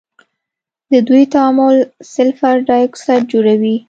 د دوی تعامل سلفر ډای اکسايډ جوړوي.